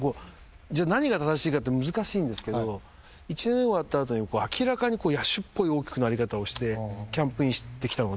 じゃあ何が正しいかって難しいんですけど１年終わった後に明らかに野手っぽい大きくなり方をしてキャンプインしてきたので。